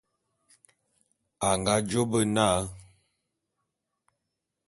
A nga jô bé na.